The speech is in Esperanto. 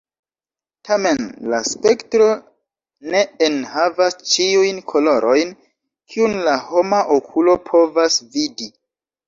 Tamen, la spektro ne enhavas ĉiujn kolorojn kiun la homa okulo povas vidi.